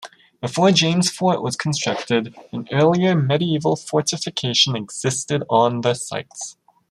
Before James fort was constructed, an earlier medieval fortification existed on the site.